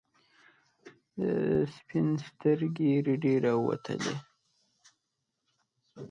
د سپین سترګي رډي راووتلې.